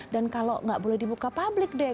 dan kalau nggak boleh dibuka publik deh